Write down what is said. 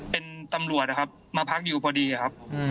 เป็นตำรวจนะครับมาพักอยู่พอดีครับ